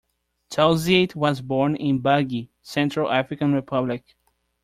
Tauziat was born in Bangui, Central African Republic.